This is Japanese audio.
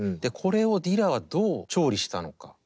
これをディラはどう調理したのか。